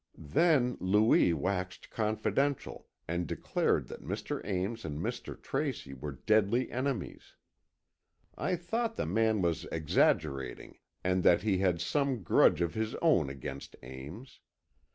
Then Louis waxed confidential and declared that Mr. Ames and Mr. Tracy were deadly enemies. I thought the man was exaggerating, and that he had some grudge of his own against Ames.